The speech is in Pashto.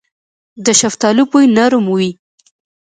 د شفتالو بوی نرم وي.